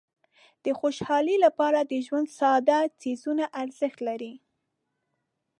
د خوشحالۍ لپاره د ژوند ساده څیزونه ارزښت لري.